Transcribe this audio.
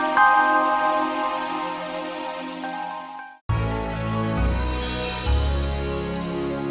sampai jumpa lagi